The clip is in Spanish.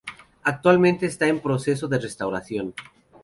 Actualmente en proceso de restauración.